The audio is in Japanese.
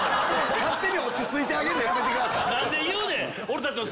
勝手に落ち着いてあげんのやめてください！